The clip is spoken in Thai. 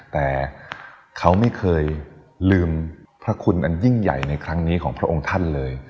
แต่เขาไม่เคยลืมพระคุณอันยิ่งใหญ่ในครั้งนี้ของพระองค์ท่านเลย